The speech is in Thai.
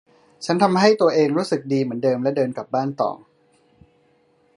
ฉันทำให้ตัวเองรู้สึกดีเหมือนเดิมและเดินกลับบ้านต่อ